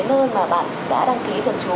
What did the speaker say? quay trở về cái nơi mà bạn đã đăng ký thường chú